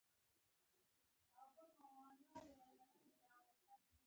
بزګر ته د فصل شینوالی خوشبختي ده